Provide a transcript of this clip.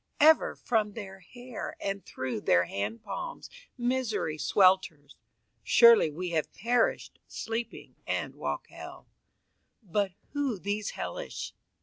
Ever from their hair and through their hand palms Misery swelters. Surely we have perished Sleeping, and walk hell; but who these hellish?